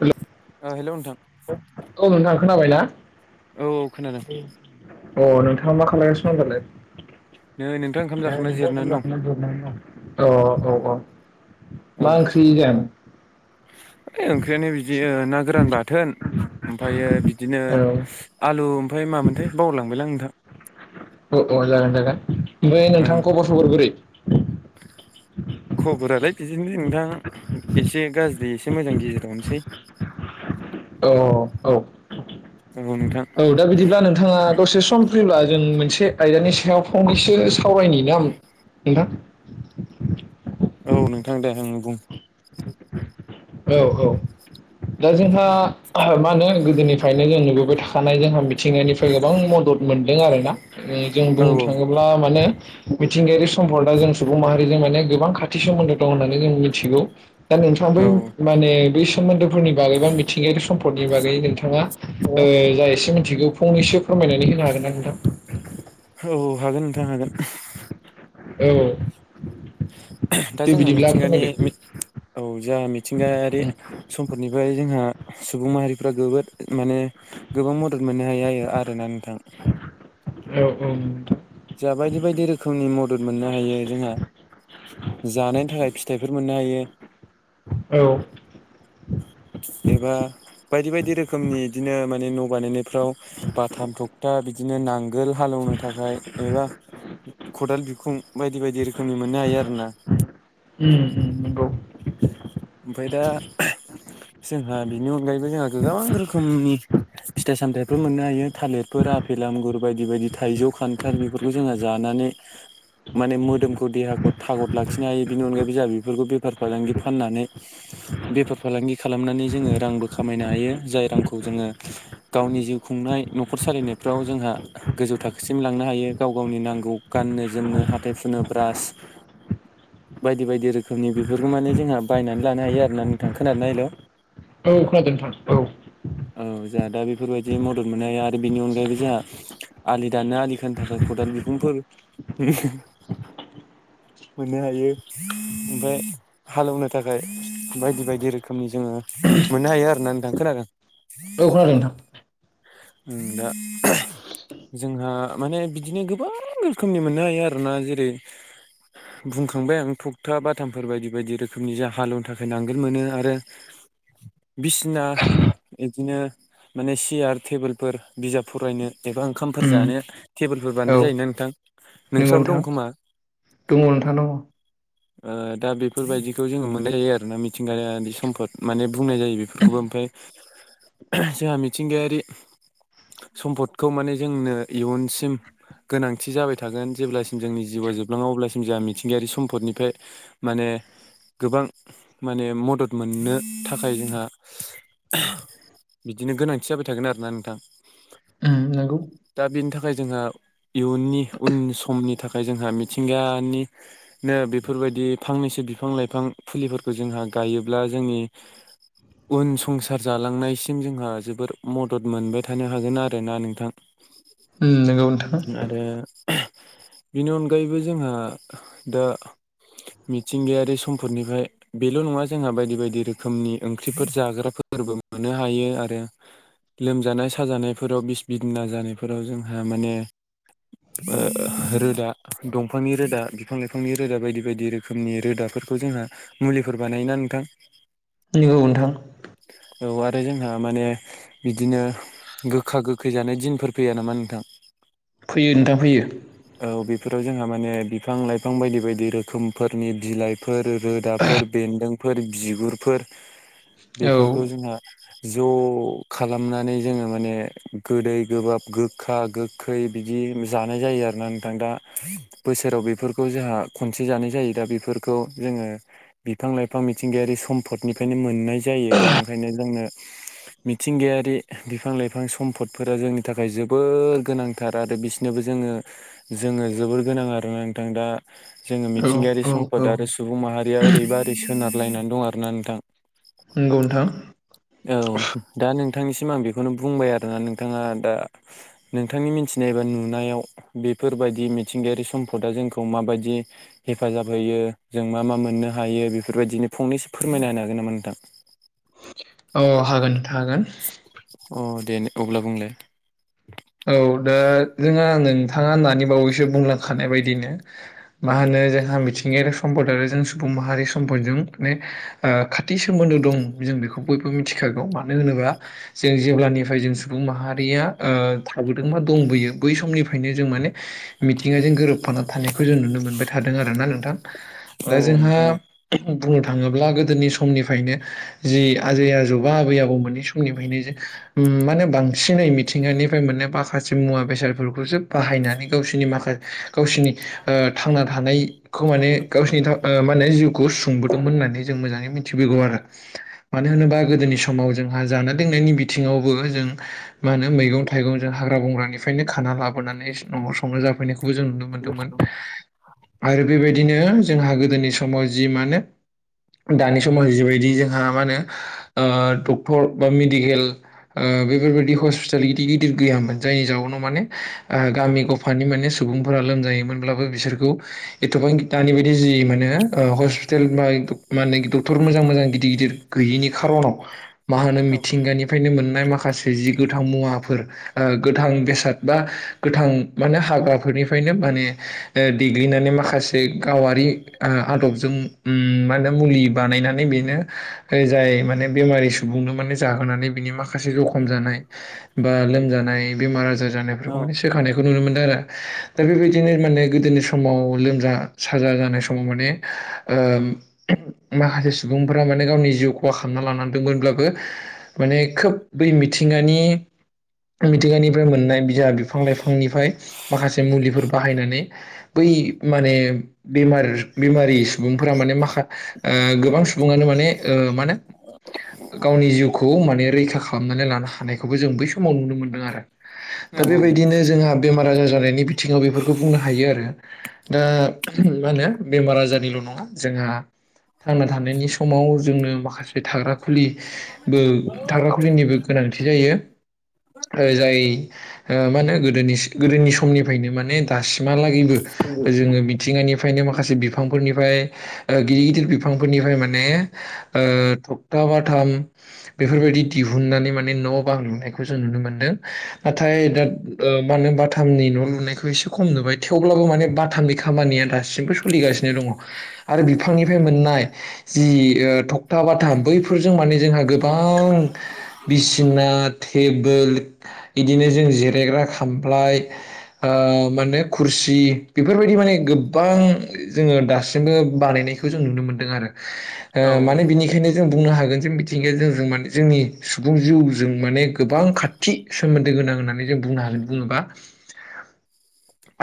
हेल' ओ हेलौ नोंथां। खोनाबायना? औ औ खोनादों अ नोंथाङा मा खालायगासिनो दं दालाय? नै नोंथां ओंखाम जाखांना अ जिरायनानै दं औ औ मा ओंख्रि जायामोन? ए ओं ख्रियानो बिदि ओ ना गोरान बाथोन ओमफायो बिदिनो औ आलु ओमफ्राय मामोनथाय बावलायलांबायलां नोंथां अ अ जागोन जागोन ओमफाय ओं नोंथां खबर सबर बोरै? खबरालाय बिदिनो जों दा एसे गाज्रि एसे मोजां गेजेरावनोसै। औ औ औ औ नोंथां औ दा बिदिब्ला नोंथाङा दसे सम फ्रिब्ला जों मोनसे आयदानि सायाव फंनैसो सावरायनि नाम नोंथां। औ नोंथां दे ओं बुं औ ओ दा जोंहा मा होनो गोदोनिफ्रायनो जों नुबोबाय थाखानाय जोंहा मिथिंगानिफ्राय गोबां मद द मोनदों आरोना। उम जों औ बुंनो थाङोब्ला माने मिथिंगायारि सम्फदा जों सुबुं माहारिजों माने गोबां खाथि सोमोन्दो दं होननानै जों मिथिगौ। दा नोंथां बै औ माने बै सोमोन्दोफोरनि बागै बा मिथिंगायारि सम्फदनि बागै नों थाङा औ ओ जा एसे मिथिगौ फंनैसो फोरमायनानै होनो हागोन ना नोंथां? औ औ हागोन नोंथां हागोन। ए दा जोंहा मिथिंगानि फोरमायदो मिथ औ जोआ मिथिंगायारि सम्फदनिफाय जोंहा सुबुं माहारिफ्रा गोबोद माने गोबां मदद मोननो हायो आयो आरोना नोंथां। औ औ नों जा बायदि बायदि रोखोमनि मदद मोननो हायो जोंहा जानायनि थाखाय फिथाइफोर मोननो हायो। औ एबा बायदि बायदि रोखोमनि इदिनो माने न' बानायनायफ्राव बाथाम थगथा बि दिनो नांगोल हालौवनो थाखाय एबा खदाल बिखुं बायदि बायदि रोखोमनि मोननो हायो आरोना। उम उम नोंगौ ओमफाय दा जोंहा बिनि अनगायैबो जोङा गोबां रोखोमनि फिथाइ सामथाइफोर मोननो हायो थालिरफोर आफेल आंगुर बायदि बायदि थाइजौ खान थाल बेफोरखौ जोङा जानानै माने मोदोमखौ देहाखौ थाग'द लाखिनो हायो। बेनि अनगायै जोआ बिफोरखौ बेफार फालांगि फाननानै बेफार फालांगि खालामनानै जोङो रांबो खामायनो हायो जाय रांखौ जोङो गावनि जिउ खुं नाय न'खर सालायनायफ्राव जोंहा गोजौ थाखोसिम लां नो हायो‌ गाव गावनि नांगौ गाननो जोमनो हाथाय हुनो ब्रास बायदि बायदि रोखोमनि बेफोरखौ माने जोंहा बायनानै लानो हायो आरोना नोंथां। खोनादोना हेल' औ खोनादों नोंथां औ आ दा बेफोरबायदि मदद मोननो आरो बिनि अनगायैबो जोहा आलि दाननो आलि खोनो थाखाय खदाल बिखुंफोर मोननो हायो। ओमफाय हालौनो थाखाय बायदि बायदि रोखोमनि जोङो मोननो हायो आरोना नोंथां खोनादों औ खोनादों नोंथां। ओं दा जोंहा माने बिदिनो गोबां रोखोमनि मोननो हायो आरोना जेरै बुंखांबाय आं थखथा बाथामफोर बायदि बायदि रोखोमनि जा हालेवनो थाखाय नांगोल मोनो आरो बिसना बिदिनो माने सियार टेबोलफोर बिजाब फरायनो एबा ओंखामफोर जानो उम टेबोलफोर औ बानायनाय जायोना नोंथां नंगौ नोंस्राबो दं नोंथां खोमा? दङ नोंथां दङ ओ दा बेफोरबायदिखौ जोङो मोननाय जायो आरोना मिथिंगायानि सम्फद माने बुंनाय जायो बेफोरखौबो ओमफ्राय जोंहा मिथिंगायारि सम्पदखौ माने जोंनो इयुनसिम गोनांथि जाबाय थागोन जेब्लासिम जोंनि जिउआ जोबलाङो अब्लासिम जोंहा मिथिंगायारि सम्फदनिफ्राय माने गोबां माने मदद मोननो थाखाय जोंहा बिदिनो गोनांथि जाबाय थागोन आरोना नोंथां उम नंगौ दा बेनि था खाय जोंहा इयुननि उन समनि थाखाय जोंहा मिथिंगानिनो बेफोर बायदि फांनैसो बिफां-लाइफां फुलिफोरखौ जोंहा गायोब्ला जोंनि उन संसार जालांनायसिम जोंहा जोबोर मदद मोनबाय थानो हागोन आरोना नोंथां। उम नंगौ नोंथां आरो बेनि अनगायैबो जोंहा दा मिथिंगायारि समफोरनिफ्राय बेल' नङा जोंहा बायदि-बायदि रोखोमनि ओंख्रिफोर जाग्रा फोरबो मोननो हायो आरो लोमजानाय साजानायफोराव बिस-बिदिना जानायफोराव जों माने रोदा, दंफांनि रोदा, बिफां-लाइफांनि रोदा बायदि बायदि रोखोमनि रोदाफोर खौ जोंहा मुलिफोर बानायोना नोंथां। नंगौ नोंथां। औ आरो जोंहा माने बिदिनो गोखा-गोखै जानाय दिनफोर फैया नामा नों थां। फैयो नोंथां फैयो। बेफोराव जोंहा माने बिफां-लाइफां बायदि बायदि रोखोमफोरनि बिलाइफोर, रोदाफोर बेन्दों फोर बिगुरफोर औ बेफोरखौ जोंहा ज' खालामनानै जोङो माने गोदै गोबाब गो खा-गोखै बिदि जानाय जायो आरोना नोंथां। दा बोसोराव बेफोरखौ जोंहा खन से जानाय जायो दा बेफोरखौ जोङो बिफां-लाइफां मिथिंगायारि सम्फदनिफ्रायनो मोननाय जायो। दा ओंखायनो जोंनो मिथिंगायारि बिफां-लाइफां सम्फदफोरा जोंनि थाखाय जोब बोर गोनांथार आरो बिसोरनोबो जोङो-जोङो जोबोर गोनां आरो नोंथां दा जोङो मि औ मिथिंगायारि औ औ सम्द आरो सुबुं माहारिया ओरैबा ओरै सोनारलायनानै दं आरोना नोंथां। नंगौ नोंथां। औ दा नोंथांनिसिम आं बेखौनो बुंबाय आरोना नोंथाङा दा [inaudible] नोंथांनि मिथिनाय एबा नुनायाव बेफोरबायदि मिथिंगायारि सम्पदा जोंखौ माबायदि हेफाजाब होयो जों मा मा मोननो हायो बेफोरबायदिनो फंनैसो फोरमायना होनो हागोन नामा नोंथां? औ हागोन नोंथां हागोन। अ दे अब्ला बुंलाय। औ दा जोंहा आंङो नोंथाङा दानि बावैसो बुंलांखानाय बायदिनो मा होनो जोंहा मिथिंगायारि सम्पद आरो जों सुबुं माहारि सम्पदजों माने खाथि ओ सोमोन्दो दं जों बेखौ बयबो मिथिखागौ मानो होनोबा जों जेब्लानिफ्राय जों सुबुं माहारिया ओ थाबोदों बा दंबोयो बै समनिफ्रायनो जों माने मिथिंगाजों गोरोबफाना थानायखौ जों नुनो मोनबाय थादों आरोना नोंथां। औ दा जोंहा नोंथां औ बुंनो थाङोब्ला गोदोनि समनिफ्रायनो जि आजै-आजौबा आबै-आबौमोननि समनिफ्रायनो जे माने बांसिनै मिथिंगानि फ्राय मोननाय माखासे मुवा बेसादफोरखौसो बाहायनानै गावसोरनि माखा गावसोरनि ओ थांना थानायखौ माने गावसोरनि माने जिउखौ सोंबोदोंमोन होननानै जों मोजाङै मिथिबोगौ आरो मानो होनोबा गोदोनि समाव जोंहा जानाय लोंनायनि बि थिंङावबो जों मा होनो मैगं थाइगं जों हाग्रा बंग्रानिफ्रायनो खाना लाबोनानै न'आव संनो जाफैनायखौ जों नुनो मोनदोंमोन आरो बेबायदिनो जोंहा गोदोनि समाव जि माने। दानि समाव जिबायदि जोंहा मा होनो ओ डक्टर बा मेडिकेल ओ बेफोरबायदि हस्पिटालि गिदिर गिदिर गैयामोन जायनि जाउावनाव माने गामि गफानि माने सुबुंफोरा लोमजायोमोनब्लाबो बिसोर खौ एथ'बां दानि बायदि जि मा होनो हस्पिताल बा मानो डक्टर मोजां मोजां गिदिर गिदिर गैयिनि खार'नाव मा होनो औ मिथिंगानिफ्रायनो मोननाय माखा माखासे जि गोथाव मुवा फोर ओ गोथां बेसाद बा गोथां मा होनो हाग्रा फोरनिफ्रायनो माने ओ देग्लिनानै माखासे गावारि आदबजों उम मा होनो मुलि बानायनानै बेनो जाय माने बेमारि सुबुंनो माने जाहोनानै बिनि माखासे जखम जानाय बा लोमजानाय बेमार आजार जानायफोरखौ औ माने सोखानायखौ नुनो मोनो। दा बेबायदिनो माने गोदोनि समाव लोमजा साजा जानाय समाव माने ओ माखासे सुबुंफोरा माने गावनि जिउ खहा खालामना लानां दमोनब्लाबो माने खोब बै मिथिंगानि मिथिगानिफ्राय मोननाय बिजाब बिफां लाइफांनिफ्राय माखासे मुलिफोर बाहायनानै बै माने बेमार बेमारि सुबुंफोरा माने माखा गोबां सुबुङानो माने माने ओ माने गावनि जिउखौ माने रैखा खालामनानै लानो हानायखौबो जों बै समाव नुनो मोनदों आरो दा बेबायदिनो जोंहा बेमार आजार जानायनि बिथिङाव बेफोरखौ बुंनो हायो आरो दा मा होनो बेमार आजारनिल' नङा जोंहा थांना थानायनि समाव जोंनो माखासे थाग्रा खुलिबो थाग्रा खुलिनिबो गोनांथि जायो जाय मा होनो गोदोनि गोदोनि समनिफ्रायनो माने दासि मालागैबो जोङो मिथिंगानिफ्रायनो मा खासे बिफांफोरनिफ्राय गिदिर गिदिर बिफांफोरनिफ्राय माने थगथा बाथाम बेफोरबायदि दिहुननानै मान न' बां लुनाय जों नुनो मोन नाथाय दा मानो होन बाथामनि न' लुनायखौसे खम नुबाय थेव माने बाथामनि खामानिया दासिमबो सोलिगासिनो दङ आरो बिफांनिफ्राय मोननाय जि थखथा बाथाम बैफोरजों माने जोंहा गोबां बिसिना टेबोल इदिनो जों जिरायग्रा खामफ्लाय माने खुरसि खुसि बेफोरबायदि माने गोबां जोङो दासिमबो बानायनायखौ जों नुनो मोन्दों आरो माने बिनिखायनो जों बुंनो हागोन ज मिथिंगाया जों जों माने जोंनि सुबुं जिउ जों माने गोबां खाथि सोमोन्दो गोनां होननानै जों बुंनो होन बुङोबा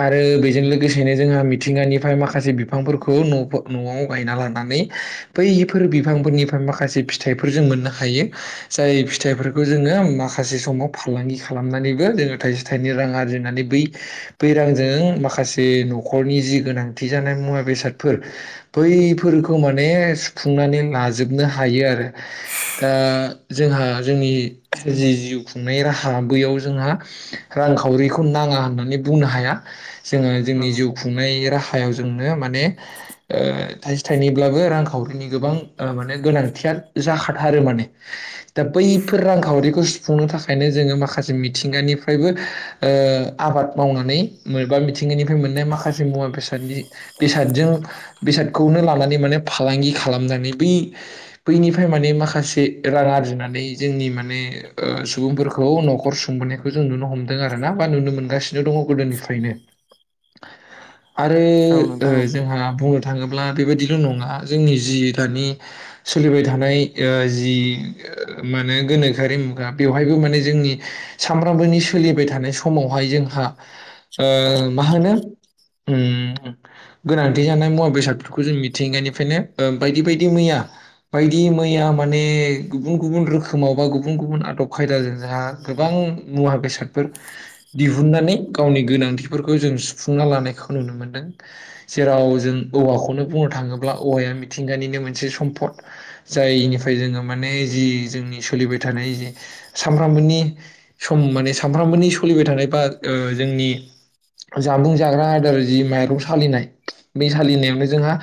आरो बेजों लोगोसेनो जोंहा मिथिंगानिफ्राय माखासे बिफांफोरखौ न' न'आव गायना लानानै बैफोर बिफांफोरनिफ्राय माखासे फिथाइफोर जों मोननो हायो जाय फिथाइफोरखौ जोंङो [unintelligible] माखासे समाव फालांगि खालामनानैबो जोङो थाइसे थाइनै रां आरजिनानै बै बै रांजों माखासे माखासे न'खरनि जि गोनांथि जानाय मुवा बेसादफोर बैफोरखौ माने सुफुंनानै लाजोबनो हायो आरो दा जोंहा जोंनि जि जिउ खुंनाय राहा बैयाव जोंहा रांखावरिखौ नाङा होननानै बुंनो हाया जोङो औ जोंनि जिउ खुंनाय राहा सायाव जोंनो माने थाइसे थाइनैब्लाबो रांखावरिनि गोबां मान गोनांथि जाखाथारो माने दा बैफोर रांखावरिखौ सुफुंनो थाखायनो जोङो माखासे मिथिंगानिफ्रायबो आबाद मावनानै मोनबा मिथि बिनाखायनो मोननाय माखासे मुवा बेसाद बेबादिजों बेसादखौनो लानानै फालांगि खालामनानै बै बैनिफ्राय माने माखासे रां आरजिनानै जोंनि माने। सुबुंफोरखौ न'खर सुंबोनायखौ जों नुनो हमदों आरो ना बा नुनो मोनगासिनो दङ गोदोनिफ्रायनो आरो औ नोंथां औ जोंहा बुङो थाङोब्ला बेबायदिल' नङा जोंनि जि दानि सोलिबाय थानाय ओ जि माने गोनोखोआरि मु गा बेवहायबो माने जोंनि सामफ्रामबोनि सोलिबाय थानाय समावहाय जोंहा मा होनो ओम गोनांथि जानाय मुवा बेसादफोरखौ जों मिथिंगानिफ्रायनो बायदि बायदि मैया बायदि मैया माने गुबुन गुबुन रोखोमाव बा गुबुन गुबुन आदब खायदाजों जोंहा गोबां मुवा बेसादफोर दिहुननानै गावनि गोनांथिफोरखौ जों सुफुंना लानायखौ नुनो मोनदों जेराव जों औवाखौनो बुंनो थाङोब्ला औवाया मिथिं गानिनो मोनसे सम्पद जायनिफ्राय जोङो माने जि जोंनि सोलिबाय थानाय जि सानफ्रामबोनि सम माने सानफ्रामबोनि सोलिबाय थानाय बा जोंनि जामुं जाग्रा आदार जि माइरं सालिनाय बै सालिनायावनो जोंहा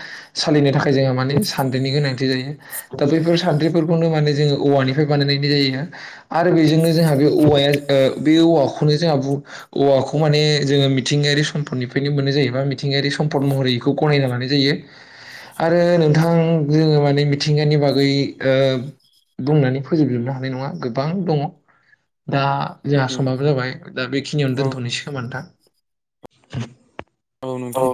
सालिनो थाखाय जोंहा माने सान्द्रिनि गोनांथि जायो दा बैफोर सान्द्रि बेफोरखौनो माने जोङो औवानिफ्राय बानायनाय जायो आरो बेजोंनो जोंहा बे औवाया ओ बेयो औवाखौनो जोंहा बु औवाखौ माने जोङो मिथिंगायारि सम्पदनिफ्रायनो मोननाय जायो बा मिथिंगायारि सम्पद महरै इखौ गनायना लानाय जायो। आरो नोंथां जोङो माने मिथिंगानि बागै ओ बुंनानै फोजोबजोबनो हानाय नङा। गोबां दङ'। दा जोंहा समाबो जाबाय। दा बेखिनियावनो औ दोनथ'नोसै खोमा नोंथां। [inaudible] औ नोंथां।